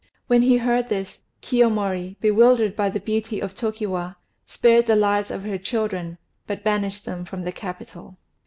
When he heard this, Kiyomori, bewildered by the beauty of Tokiwa, spared the lives of her children, but banished them from the capital.